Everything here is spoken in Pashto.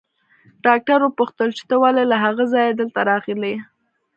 ډاکټر وپوښتل چې ته ولې له هغه ځايه دلته راغلې.